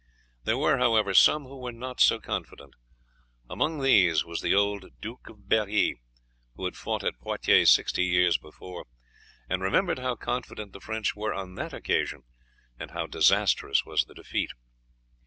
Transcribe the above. There were, however, some who were not so confident; among these was the old Duke of Berri, who had fought at Poitiers sixty years before, and remembered how confident the French were on that occasion, and how disastrous was the defeat.